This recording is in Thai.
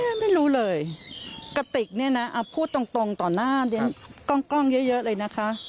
ไม่รู้เลยกระติกเนี่ยนะเอาพูดตรงต่อหน้าเรียนกล้องเยอะเลยนะคะ